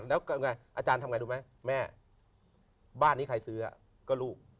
แล้วไงอาจารย์ทำไงรู้ไหมแม่บ้านนี้ใครซื้อก็ลูก